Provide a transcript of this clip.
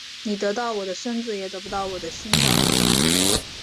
你得到我的身子也得不到我的心的